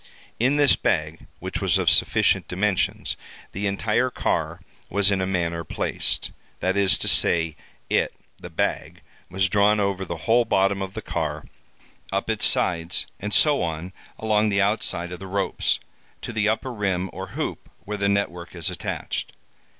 In this bag, which was of sufficient dimensions, the entire car was in a manner placed. That is to say, it (the bag) was drawn over the whole bottom of the car, up its sides, and so on, along the outside of the ropes, to the upper rim or hoop where the net work is attached.